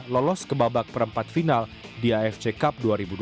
lolos ke babak perempat final di afc cup dua ribu dua puluh